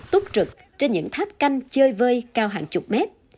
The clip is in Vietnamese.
túc trực trên những tháp canh chơi vơi cao hàng chục mét